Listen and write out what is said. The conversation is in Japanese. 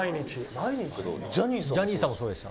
ジャニーさんもそうでした。